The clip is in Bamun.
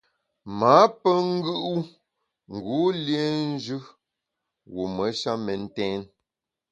M’â pe ngù u ngu lienjù wume sha mentèn.